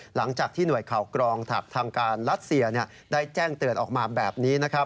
หลังจากที่หน่วยข่าวกรองทางการรัสเซียได้แจ้งเตือนออกมาแบบนี้นะครับ